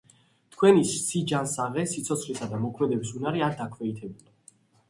თქვენი სიჯანსაღე, სიცოცხლისა და მოქმედების უნარი არ დაქვეითებულა.